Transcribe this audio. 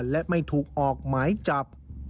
และไม่ถูกออกหมายจับ